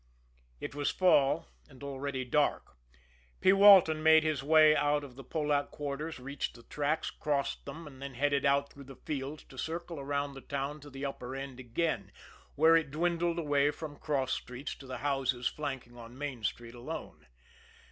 It was fall, and already dark. P. Walton made his way out of the Polack quarters, reached the tracks, crossed them and then headed out through the fields to circle around the town to the upper end again, where it dwindled away from cross streets to the houses flanking on Main Street alone.